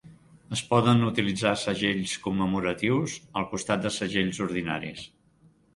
Es poden utilitzar segells commemoratius al costat de segells ordinaris.